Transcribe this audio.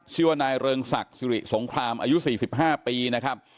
ชื่อว่านายเริงศักดิ์สิริสงครามอายุ๔๕ปีนะครับ